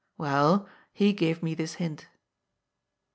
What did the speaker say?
Well, he gave me this hint."